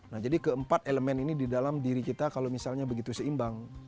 nah jadi keempat elemen ini di dalam diri kita kalau misalnya begitu seimbang